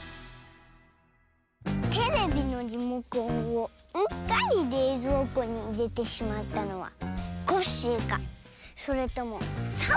テレビのリモコンをうっかりれいぞうこにいれてしまったのはコッシーかそれともサボさんか。